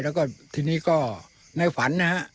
แล้วก็ทีนี้ก็ในฝันนะฮะ